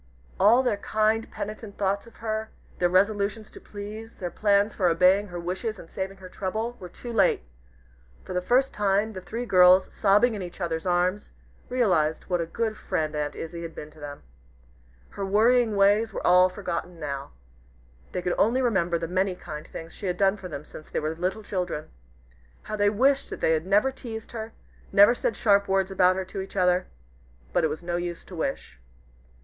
All their kind, penitent thoughts of her; their resolutions to please their plans for obeying her wishes and saving her trouble, were too late! For the first time, the three girls, sobbing in each other's arms, realized what a good friend Aunt Izzie had been to them. Her worrying ways were all forgotten now. They could only remember the many kind things she had done for them since they were little children. How they wished that they had never teased her, never said sharp words about her to each other! But it was no use to wish.